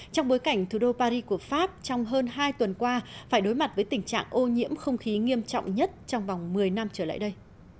trong bối cảnh thủ đô paris của pháp trong hơn hai tuần qua phải đối mặt với tình trạng ô nhiễm không khí nghiêm trọng nhất trong vòng một mươi năm trở lại đây